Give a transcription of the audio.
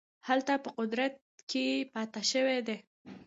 هلته په قدرت کې پاته شوي دي.